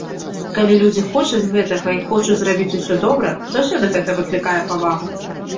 І калі людзі хочуць гэтага і хочуць зрабіць усё добра, заўсёды гэта выклікае павагу.